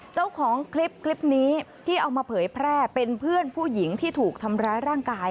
เจ้าของคลิปคลิปนี้ที่เอามาเผยแผลร์เป็นเพื่อนผู้หญิงที่ธรรมนี้เลย